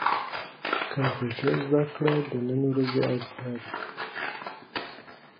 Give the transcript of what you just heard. کمپيوټر زده کړه د نن ورځي اړتيا ده.